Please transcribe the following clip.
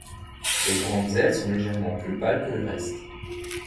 Les grandes ailes sont légèrement plus pâles que le reste.